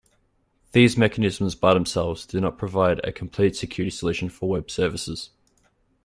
These mechanisms by themselves do not provide a complete security solution for Web services.